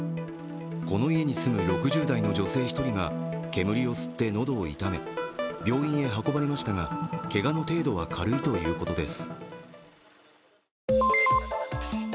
この家に住む６０代の女性１人が煙を吸って喉を痛め病院へ運ばれましたが、けがの程度は軽いということです。